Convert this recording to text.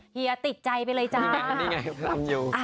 เฮียติดใจไปเลยจ้า